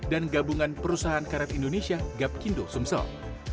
dan gabungan perusahaan karet indonesia gapkindo sumsel